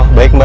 oh baik mbak